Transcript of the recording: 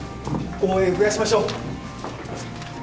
応援増やしましょう。